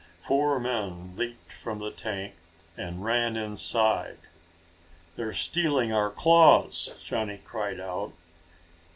Four men leaped from the tank and ran inside. "They're stealing our claws!" Johnny cried out.